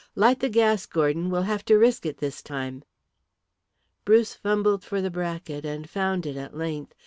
Light the gas, Gordon; we'll have to risk it this time." Bruce fumbled for the bracket, and found it at length.